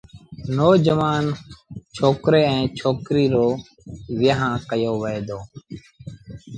نوجوآڻ ڇوڪري ائيٚݩ ڇوڪريٚ رو ويهآݩ ڪيو وهي دو۔